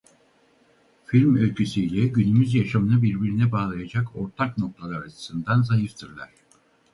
Film öyküsüyle günümüz yaşamını birbirine bağlayacak ortak noktalar açısından zayıftırlar.